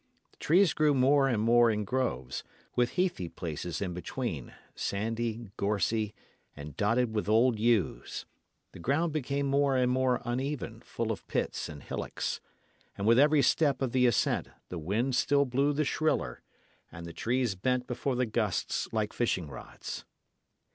The trees grew more and more in groves, with heathy places in between, sandy, gorsy, and dotted with old yews. The ground became more and more uneven, full of pits and hillocks. And with every step of the ascent the wind still blew the shriller, and the trees bent before the gusts like fishing rods.